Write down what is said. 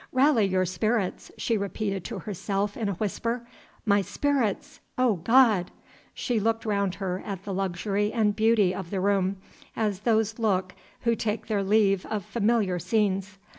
"Rally your spirits," she repeated to herself in a whisper. "My spirits! O God!" She looked round her at the luxury and beauty of the room, as those look who take their leave of familiar scenes.